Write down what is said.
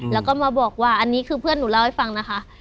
แล้วก็มาบอกว่าอันนี้คือเพื่อนหนูเล่าให้ฟังนะคะ